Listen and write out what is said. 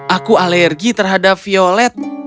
aku alergi terhadap violet